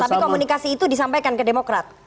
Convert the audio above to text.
tapi komunikasi itu disampaikan ke demokrat